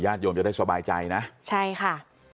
โยมจะได้สบายใจนะใช่ค่ะ